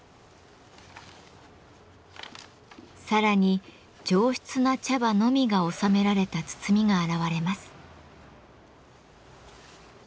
さらに上質な茶葉のみが収められた包みが現れます。